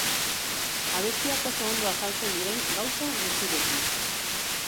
Abestiak oso ondo azaltzen diren gauza gutxirekin.